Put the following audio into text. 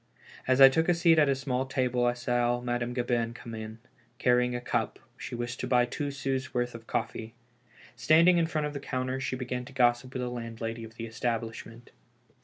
As I took a seat at a small table, I saw Madame Gabin come in, carrying a cup; she wished to buy two sous' worth of coffee. Standing in front of the counter, she began to gossip with the landlady of the establishment.